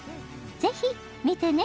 「ぜひ見てね」